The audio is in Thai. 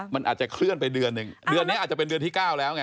มันอาจจะเคลื่อนไปเดือนหนึ่งเดือนนี้อาจจะเป็นเดือนที่๙แล้วไง